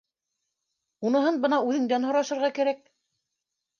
— Уныһын бына үҙеңдән һорашырға кәрәк